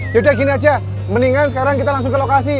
yaudah gini aja mendingan sekarang kita langsung ke lokasi